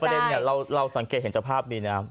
เด็นเนี่ยเราสังเกตเห็นสภาพดีนะครับ